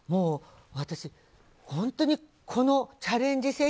私、本当にこのチャレンジ